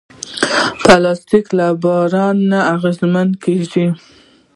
پلاستيک له باران نه اغېزمن نه کېږي.